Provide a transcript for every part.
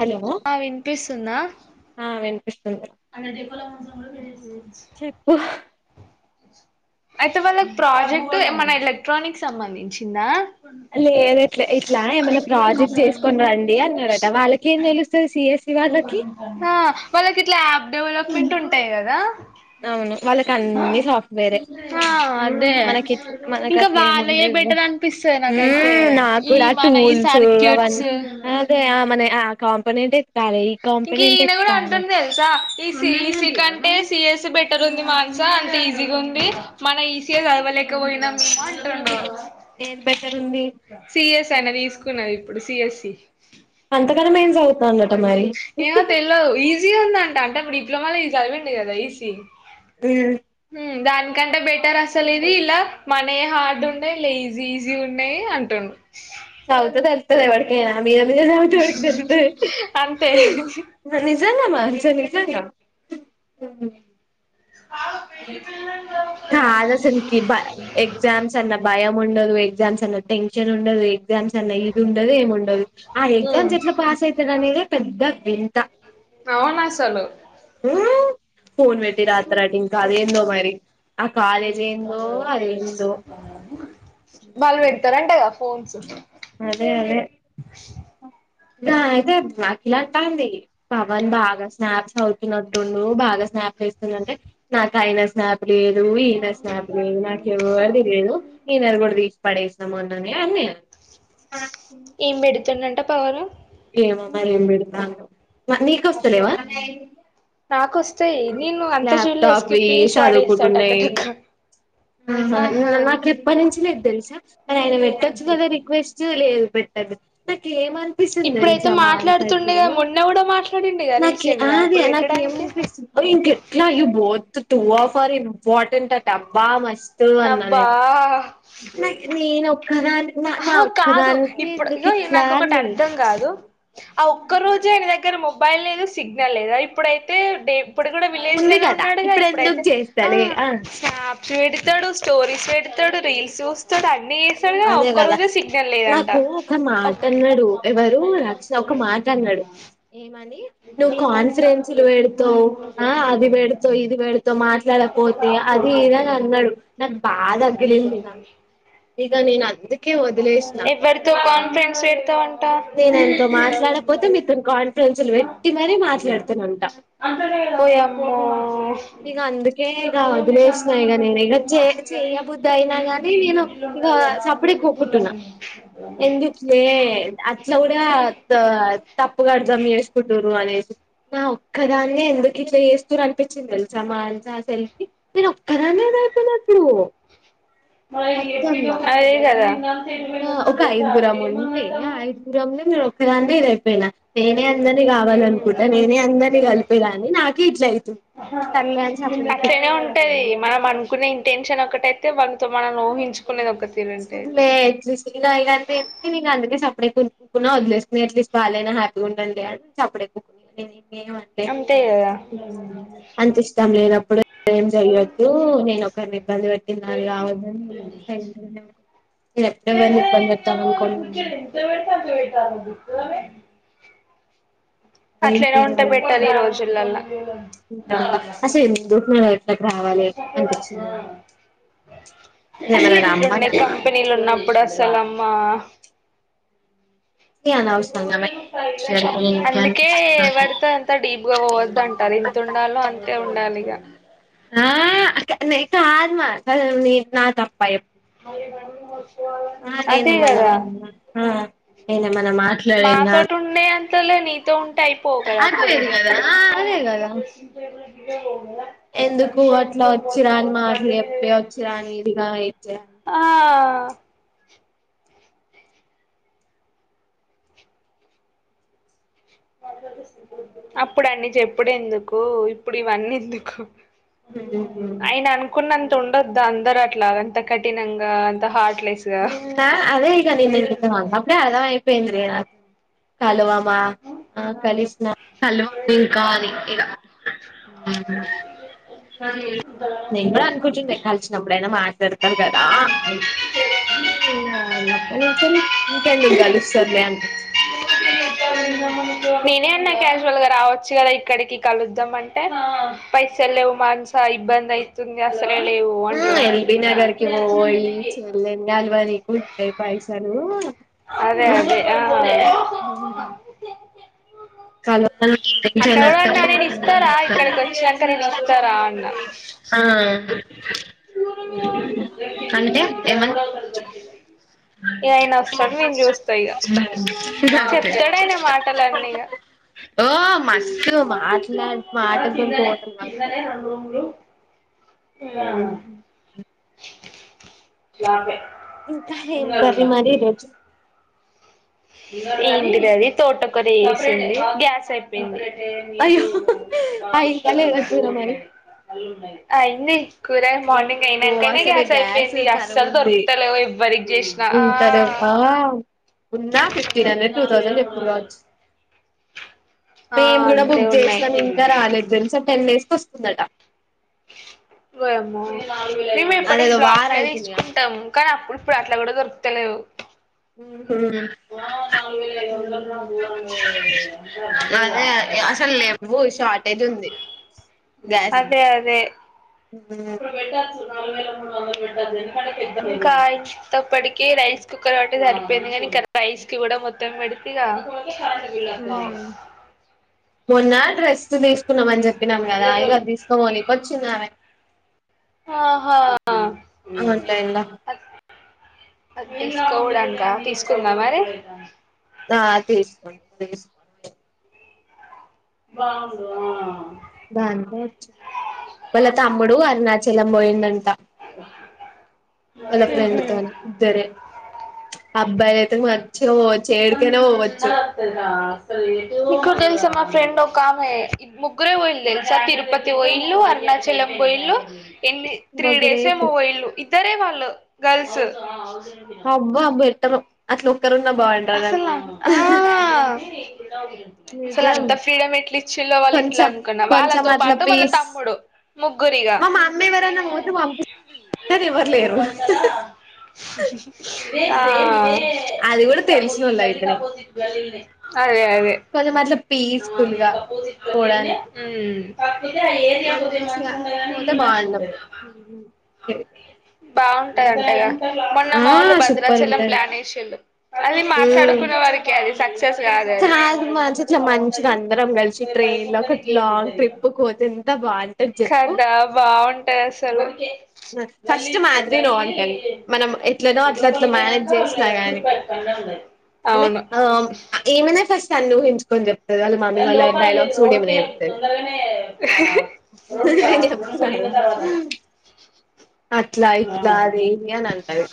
Hello ఆ వినిపిస్తుందా ఆ వినిపిస్తుంది చెప్పు [unintelligible] అయితే వాళ్ళ కి ప్రాజెక్ట్. ఏమ ఎలక్ట్రానిక్స్ సంబంధించిందా లేదు ఎట్ ఇట్లా ఏమైనా ప్రాజెక్ట్ చేసుకోనిరండి అన్నరట వాళ్ళక ఏం తెలుస్తుంది సిఎస్ ంట వాళ్ళకి ఇట్లా యాప్ డెవలప్మెంట్ ఉంటాయి కదా అవును వాళ్ళకి అన్ని సాఫ్ట్వేరె ఆ అదే మనకి మనకు ఇంకా అట్ల ఏమి ఉండే వాళ్ళయే బెటర్ అనిపిస్తది నాకైతే నాకు ఈ కూడా మన ఈ టూల్స్ సర్క్యూట్స్ అవన్నీ అదే మన ఆ కామ్ పని ఏంటే ఇంక ఈయన కూడా అంటుండె తెలుసా ఈ సిఈసి కంటే సిఎస్ బెటర్ ఉంది మానస అంత ఈజీగా ఉంది మన ఈజీగా చదవలేకపోయినా ఏది బెటర్ ఉంది సి ఎస్ ళ్తన్న తీసుకున్నది. ఇప్పుడు సి ఎస్ సి [unintelligible] మరి ఏమే తెల్వదు. ఈజీగా ఉందంట అంటే ఆప్పుడు ఇ డిప్లమాల ఇది చదివిండు. గాదా ఈ సీ హ్ దానికంటే బేట్ అసలు ఇది ఇలా మం ఏ హార్డ్ ఉన్నాయి. లేజీ ఈజీ ఉన్నాయి. అంటుండు. చదువుతే తేలుత్తది. ఎవడికైన మీద మీదనే చదువుతే వాడికి తేలుత్తది. అంతే నిజంగా మా నిజం నిజంగా కాదు ఆసల్ కి బ ఎగ్జామ్స్ అన్న భయం ఉండదు. ఏగ్ ఎగ్జామ్స్ అన్న టెన్షన్ ఉండదు. ఎగ్జామ్స్ అన్నా ఇది ఉండదు. ఏమి ఉండదు ఆ హ్మ్ ఎగ్జామ్స్ ఎట్లా పాస్ అయితాడు. అనేది పెద్ద వింత అవును. ఆసలు ఉమ్, ఫోన్ వేట్టి రాత్తరటింకా ఏందో అదేందో వాళ్ళు పెడతారు. అంట గా ఆ ఫోన్స్ అదే అదే దా అయితే ఇలాంటంది. పవన్ బాగా స్నాప్స్ అవుతున్నట్టుండు బాగా స్నాప్ల్ ఏస్తుండు. అంటే నాకయినా స్నాప్ లేదు ఈయన స్నాప్ లేదు. నాకు ఎవరిది లేదు. ఈయనది కూడా తీసు పడేసినం అన్ననే అని నేను అన్నా ఏం పెడుతుండంట ప్పరా ఏమే మరి ఏం పెడతన్లో నీక వోస్తలేవా నాకొస్తాయి నేను అంత చూడలే ల్యాప్టాప్వి స్కిప్ చేసి పడేస్తా చదువుకుంటు టక ఉన్నాయి టక ఆహా నాకు ఎప్ప నుంచి లేదు. తెలుస అని ఆయన పెట్టొచ్చు. కదా రిక్వెస్ట్ లేదు. పెట్టది పెట్టీ ఏమం ఇప్పుడైతే [unintelligible] మాట్లాడుతుండేగా చూడు. మొన్న కూడా మాట్లాడిండుగా నాకె రీసెంట్ అ గా ది అప్పుడు నాకే పెట్టడానికి ఏమనిపిస్తుం ద ఇంకెట్లా ఇవి బోథ్ టూ వఫర్ ఇంపార్టెంట్ ఆటబ్బా మస్ అబ్బా ఆహా కాదు ఇప్పుడు నక్కదనికినికి ఇగో నాకు ఒకటి ఎందుట్లాన్ని అర్థం కాదు ఆ ఒక్క రోజు ఆయన దగ్గర మొబైల్ లేదు సిగ్నల్ లేదు ఇప్పుడైతే డే ఇప్పుడు కూడా విలేజ్ ఉంది లోనే కదా ఉన్నాడుగా ఇప్పుడు ఎందుకు ఇప్పుడైతే చేస్తలే ఆ పేడితాడు స్టోరీస్ పెేడితాడు రీల్స్ స్తాడు అ మీ ఎస అదే కదా నాకు ఒక మాట అన్నాడు ఎవరు రక్షణ ఒక మాట అన్నాడు ఏమ నువ్వు కాన్ఫిరెన్స్లు పెడతవు ఆ అది పెడత ఇది పెడత మాట్లాడకపోతే అది ఇనని అన్నాడు నాకు బా తగ్గిలింది ఇలా ఎవరితో కాన్ఫిడెన్స్ పెడతా ఉంటా అసలు పెట్టి మరీ మాట్లాడుతూను ఉంటా ఓయమ్మో ఇక అందుకే ఇక వదిలేసినా ఇక నేను ఇక చే చేయబుద్ధి అయినా గాని నేను సప్పుడ కూకుట్టున్నా ఎందులే అట్ల కూడా అత్త తప్పుగ అర్థం చేసుకోటరు అనేసి నా ఒక్కదాన్నే ఎందుకు ఇట్లా చేస్తూని అనిపించింది తెలుసామ్మా అల్స సెల్ఫి నేను ఒక్కదాన్నేద అయిపోనప్పుడు మన గ ఒక ఐదుగురం ఉంటే ఆ ఐదుగురంంలో మీరు ఒకదా ర నేనే అందరిని కలిపేదాన్ని నాకే ఇట్లా అయితుంది సర్లే అని సప్పుడేక ఊకున్న అట్లనే ఉంటది మనం అనుకున్న ఇంటెన్షన్ ఒకటైతే అ మనతో మనం ఊహించ ఎట్సిగాయి క అందుకే నిక్ సప్ప అప్పు కు కుక్కున వదిలేసుకుని ఎట్లీస్ట్ బాగానా హ్యాపీగా ఉండి అ అడే కుక్కుని అనిను లే అంతే కదా అంత ఇష్టాం లేదప్పుడు ఏం జయవొద్దు నేను ఒకరిని ఇబ్బంది పెట్టినా కావద్దని నేను కూడా ఎడ తా అనుకో ఎట్ల పెడితే అట్లా పాటల అట్లనా ఉంటే పెట్టాలి ఈ రోజుల దంగా అసలు ఎందుకు నేను ఇట్లకి రావాలి అసలు అనిపించింది నాకు నేను ఏమైనా ఇట్లుండయి రమ్మన్నానా కంపెనీలు ఉన్నప్పుడు సలమ్మా ఏ అనవసరంగా మెయిన్ ఇండస్ట్రీ అనుకుని ఇంకే అనిపిస్తుంది నాకు అందుకేవడితే అంత డీప్గా పోవద్దు అంటారు ఎంత ఉండాలో అంతే ఉండాలి ఇక ఆకా ఆత్మ న నా తప్పయి అ మ ఆ ఆ నేనేమన్నా నేనేమన్నా మాట్లాడినా మాతోటి ఉండే అంతలో నీతో ఉంటే అయిపోవు కదా అప్పుడే అటుపోయేది కదా ఆ అదే కదా ఎందుకు అట్లా వచ్చిరాని మాటలు చెప్పి వచ్చిరాని ఇదిగా ఇది చేయాలి ఆ మస్తు అప్పుడాన్డి చెప్పుడు ఎందుకు ఓ ఇప్పుడు ఇవన్నీ ఎందుకు ఉమ్. అయిన అనుకున్నం ఉండొద్ద అందరు అట్లా అంత కఠినంగా అంత హార్డ్ నిన్న అదే ఇగ నిన్న నితువా అప్పుడే అర్ధం అయి పేయింది నాక్ కాలువం ఆ కలిసిన కలివ ఇంకా అనీ ఇగ అవు నేనే అనుకుంటుందే కల్సినబ్బుడ్ ఆయన మా తీడతారు కదా అని అప్ప నుంచారు ఇంకెందుకు గలుస్తార్లే అని నేనే అన్నా క్యాజువల్ గా రావచ్చు కదా ఇక్కడికి కలుద్దాం అంటే పైసలు లేవు మానసా ఇబ్బంది అయ్తుంది అసలు ఉ ఎల్బి నగరకి పోయి చెల్లెన్ గలవని కుంటయి పైసలు అదే అదే ఆ కలో అట్ల కూడా అన్న నేను ఇస్తారా ఇక్కడికి వచ్చినాక నేను ఇస్తారా అన్న ఆ అంటే న ఏమన్ గరవడ ఇగ ఆయన వస్తాడు నేను చూస్త ఇగ అంతే చెప్తాడ ఆయన మాటలన్నీ ఇగ ఓ మస్తు మాట్లాడు మాటలతోని కోటలు పడతారు హమ్ ే ఇంక ఏం కర్రి మరి ఈరోజు ఏంటి దది తోటకూర జెసింది గ్యాస్ చెప్పింది అయ్యో అయిందా లేదా కూర మరి అయింది కుర ఏం మార్నింగ్ ఓ అయినకనే అసలే గ్యాస్ అయిపోయింది కరువు అస్సలు ఉంది దొరుకుతలేవు ఎవ్వరికి జేసిన ఆ ఉంటరు ఆ ఉన్నా ఫిఫ్టీన్ హండ్రెడ్ టూ థౌజండ్ చెప్తురు కావచ్చు ఆ మేము కూడా అంతే బుక్ ఉన్నాయి చేసినం ఇంకా రాలేదు తెల్సా టెన్ విసుగ్ వస్తుందట ఓయమ్మో మేము ఎప్పటికి అదేదో బ్లాక్ వార్ లో అయితుందిగా తీసుకుంటాము కానీ ప్పుడు ఇప్పుడు అట్లా కూడా దొరుకుతలేవు ఉ ఆ నాలుగు వేల వందర పోర అంట అందద అదే అమ్ల అసలు లేవు షార్టేజ్ ఉంది గ్యాస్ అదే అదే ఇంకా ఇంతప్పటిక రైస్ కుక్కర్ అంటే సరిపోయింది కానీ ఇంకా రైస్ కి కూడా మొత్తం పెడితేక విళ్ళ ఉమ్ మొన్న డ్రెస్ తీసుకున్నామని చెప్పి ప్పినాం కదా ఇగ తీసుకోమ నక వచ్చిందిమె ఆహా ఆన్లైన్ లో తీసుకోవడాక తీసుకో మరి ఆ తీసుకోండి తీసుకోండి బాగు బాంత వచ్చింది వాళ్ళ తమ్ముడు అరుణాచలం పోయిందంట ఓ అలా ఫ్రెండ్ త ఇద్దర అబ్బాయిల అయితే మ పోవచ్చు ఏడికైనా పోవచ్చు ఇకుడు తెలుసా మా ఫ్రెండ్ ఒక ఆమె ముగ్గురే ఒయిలు తెలుసా తిరుపతి ఒయిళలు అరుణాచలం బయిళలు ఎన్ని త్రీ డేసే గ్రేట్ మొబైల్లు ఇద్దరే వాళ్ళు గల్స్ అబ్బా అబ్బ ఎట్టారు అట్లు ఒ అసలు అసలు నిజం అంత ఫ్రీడ ఎట్లు ఇచ్చిలోో వాళ్ళ ఇంట్లో కొంచెం అనుకున్న కొంచెం వాళ్ళతో అట్లా పాటు వాళ్ళ పీస్ తమ్ముడు ముగ్గురిగా మా మమ్మీ ఎవరన్నా పోతే పంపిస్తది కానీ ఎవరు లేరు అది కూడా పో ఈ తెలిసినోళ్ళు అయితేనే వెళ్లికిబపోద్ది వెళ్ల్ అదే అదే కొంచెం అట్లా పీస్ఫుల్ గా పోవడానికి అయితే ఆ ఏరియాకితే మంచిగా ఉండదు కానీ పోతే ఇ మంచి బాగుండు ఉంటది బాగు అట్ట అంట మొన్న ఆ మాముళ్లు సూపర్ భద్రాచలం ఉంటది ప్లాన్ వేసేళ్ళు అది ఉమ్ మాట్లాడుకునే వారికి అది స కాదు మంచి ఇట్లా మంచిగా అందరం కలిసి ట్రైన్ లో ఒక లాంగ్ ట్రిప్ పోతే ఎంత బాగుంటది చెప్పు కదా బాగుంటాయి అసలు ఫస్ట్ మాదిరి నో అంటుది మనం ఎట్లనో అట్లా అట్లా మేనేజ్ చేసినా గాని అమ్మే అవును ఇమ్మనే ఫస్ట్ అని ఉ ఇసుకొ చెప్ప కా లోపల లేదు రోడ్కే తొందరగానే రోడ్కి నేను రావచ్చు రుం చెప్తున్నా కూడా ఇన్న కదా తర్వాత అట్లా ఇట్లా అదే ఇ అని అంటరు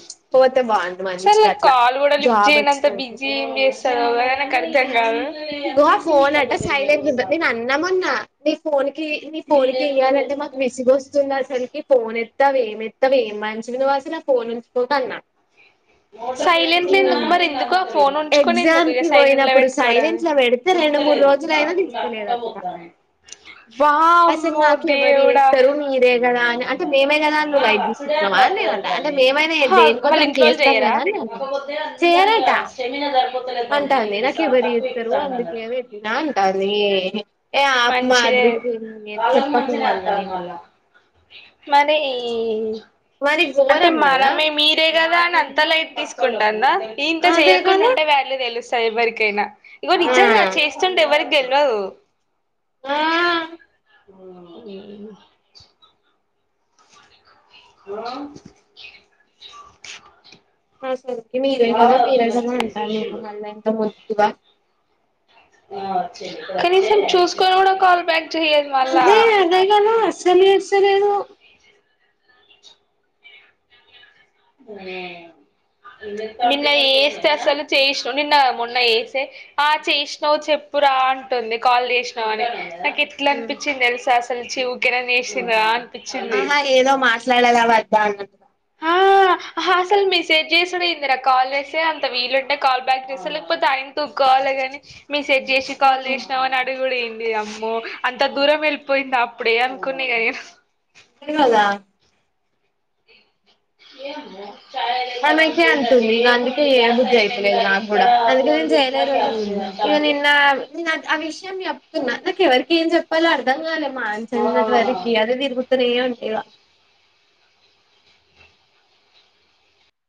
సార్ కాలు కూడా లిఫ్ అయనంత వచ్చిందనుకో బిజీ ఏం చేస్తారుో అర్థం కాదు ఇగో ఆ ఫోన్ మీ ఫోన్ నీ ఫోన్ క ఇయ్యాలంటే మాకు విసుగు వస్తుంది అసలకి ఫోన్ ఎత్త వేమ్ ఎత్త వేమ్ మనిషివి నువ్ అసల ఫోన్ ఉంచుకుంట అన్న సైలెంట్ ఎందుకు మరి ఎందుకు ఆ ఫోన్ ఉంచుకని ఎందుకు ఎగ్జామ్ ఇక కి సైలెంట్ లో పోయినప్పుడు పెట్టుకోవడానిదు సైలెంట్ లో పెడితే రెండు మూడు రోజులయినా తీస్తలేదట ఇగ అసలు వామ్మో నాకెవరు దేవుడా చేస్తారు మీరే కదా అని అంటే మేమే కదా అ నువ్వు లట్ తీసుకుంటన్నామా అ నే అంట అంటే మేమ అయినా వాళ్ళ దేనికోడానికి ఇంట్లో వాళ్ళు చేస్తాం చెయ్యరా ఇద్దాం కదాం అన్న చేయరట అంటాంది నాకు ఎవరు చేస్తారు అందుకే పెట్టిన అంటాంది ఏ ఆ మంచిదే మాదిరి నేను చెప్పట్డం వాలన నేను మరి ఈ మరి అంటే ఘోరం కదా మనమే మీరే కదా అని అంతలో తీసుకుంటాన్న ఇంత అదే చెయ్యకుండా కదా ఉంటే వళ్ళ తెలుసు సైబరికైనా ఇగో ఆ నిజంగా చేస్తుంటే ఎవరికి గెల్ ఆ అ ఆ అ సకే మీరే కదా మీరే కదా అంటారు అ మళ్ళీ ఇంత మ వా కనీసం చూసుకొని కూడా కాల్ బ్యాక్ చెయ్యదు మళ్ళా అదే అదే కథ అసలు చేస్తలేదు నిన్నన్న చేస్తే అసలు చేసినావు నిన్న మొన్న చేస్తే ఆ చేసినావు్ చెప్పురా అంటుంది కాల్ చేసినావు అని నాకు ఎట్లా అనిపించింది తెలుస సల్ చివుకెనా చేసిరా ఆహా ఏదో మాట్లాడాలా వద్దా అన్నట్ ఆ అసలు మెసేజ్ చేసిడు ఎందిరా కాల్ చేస్తే అంత వీలుంటే కాల్ బ్యాక్ చేస్తా లేకపోతే ఆయన తూకోవాలి గాని మెస్ సెట్ చేసి ఆ కాల్ చేసినా అని అడుగుంది లే అమ్మో అంత దూరం వెళ్ళిపోయింది అప్పుడే అనుకునే నీ కాదా ఏ ఆమెకే అంతతుంది ఇక అందుకే ఏ బుద్ధి అయితలేదు నా కూడా అందుకే నేను చేయలే రోజు ఇక నిన్న ఆ విషయం చెప్తున్నా ఎవరిక ఏం చెప్పాలో అర్థం కాల మాస వరకి అది తిరుగుతుర ఉండేవా